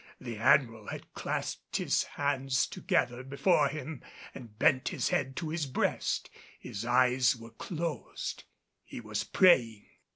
The Admiral had clasped his hands together before him and bent his head to his breast. His eyes were closed. He was praying.